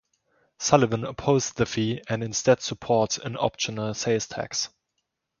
Sullivan opposed the fee and instead support an optional sales tax.